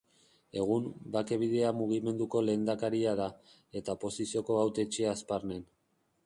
Egun, Bake Bidea mugimenduko lehendakaria da, eta oposizioko hautetsia Hazparnen.